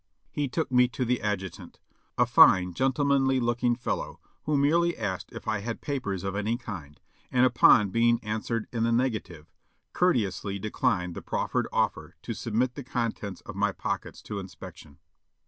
He took me to the ad RECAPTURED 479 jutaiit, a fine, gentlemanly looking fellow, who merely asked if I had papers of any kind, and upon being answered in the negative, courteously declined the proffered offer to submit the contents of my pockets to inspection.